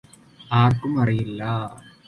ആർക്കും അറിയില്ല